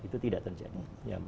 itu tidak terjadi